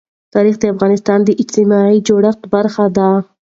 تاریخ د افغانستان د اجتماعي جوړښت برخه ده.